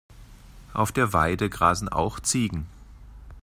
Auf der Weide grasen auch Ziegen.